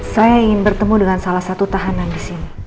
saya ingin bertemu dengan salah satu tahanan disini